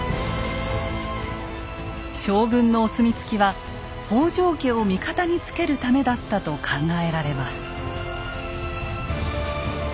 将軍のお墨付きは北条家を味方につけるためだったと考えられます。